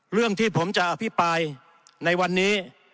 เรื่องที่ผมจะอภิปรายในวันนี้